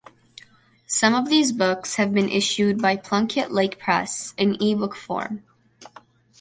Some of these books have been issued by Plunkett Lake Press in eBook form.